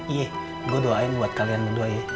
iya gua doain buat kalian berdua ya